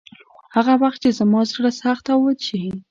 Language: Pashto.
هغه وخت چې زما زړه سخت او وچ شي.